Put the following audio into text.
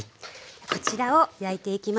こちらを焼いていきます。